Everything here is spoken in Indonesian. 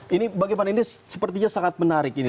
ini bagaimana ini sepertinya sangat menarik ini